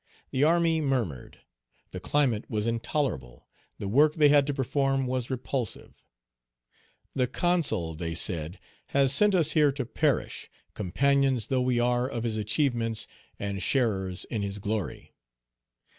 The army murmured; the climate was intolerable; the work they had to perform was repulsive. "The Page 206 Consul," they said, "has sent us here to perish, companions though we are of his achievements and sharers in his glory."